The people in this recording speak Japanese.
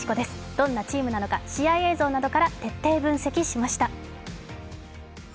どんなチームなのか、試合映像などから徹底分析しました。